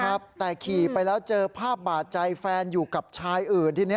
ครับแต่ขี่ไปแล้วเจอภาพบาดใจแฟนอยู่กับชายอื่นทีนี้